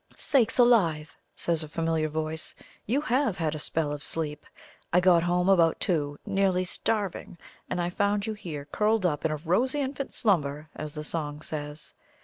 "Sakes alive!" says a familiar voice; "you HAVE had a spell of sleep! I got home about two, nearly starving, and I found you here curled up 'in a rosy infant slumber,' as the song says.